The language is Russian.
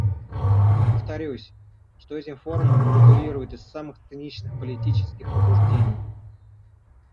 Повторюсь, что этим форумом манипулируют из самых циничных политических побуждений.